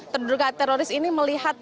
terduga teroris ini melihat